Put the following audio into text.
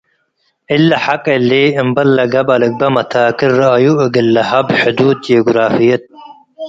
እሊ ሐቅ እሊ አምበል ለገብአ ልግበእ መታክል ረአዩ እግል ለሀብ፡ ሕዱድ ጂኦግራፍየት